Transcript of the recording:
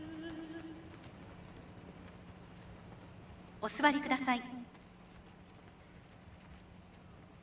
お座りください。